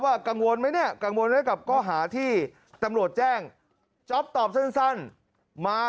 ว่ากังวลไหมเนี่ยกังวลแล้วก็หาที่ตำรวจแจ้งจ๊อปตอบสั้นมา